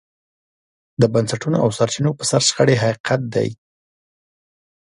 د بنسټونو او سرچینو پر سر شخړې حقیقت دی.